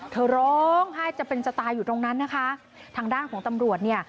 เธอร้องไห้จะเป็นจะตายอยู่ตรงนั้นนะคะทางด้านของตำรวจเนี่ย